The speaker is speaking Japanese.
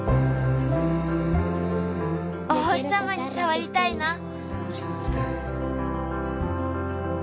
お星さまにさわりたいな。